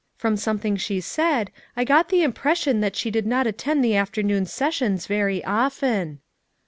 From something she said, I got the impression that she did not attend the afternoon sessions very often."